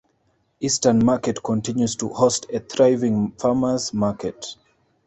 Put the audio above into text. Eastern Market continues to host a thriving farmers' market.